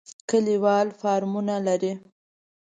کلیوال فارمونه لري.